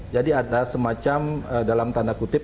jadi ada semacam dalam tanda kutip